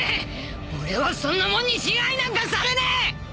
俺はそんなもんに支配なんかされねえ！